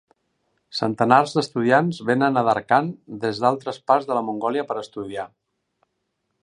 Centenars d'estudiants venen a Darkhan des d'altres parts de Mongòlia per estudiar.